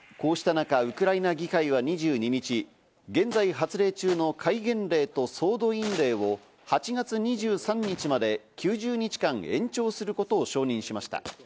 こうしたなかウクライナ議会は２２日、現在発令中の戒厳令と総動員令を８月２３日まで９０日間延長することを承認しました。